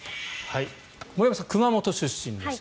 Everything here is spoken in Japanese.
森山さんは熊本出身です。